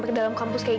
daripada macam sekarang